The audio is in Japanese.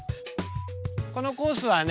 このコースはね